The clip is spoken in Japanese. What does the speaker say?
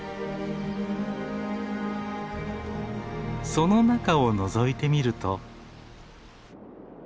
その中をのぞいてみると。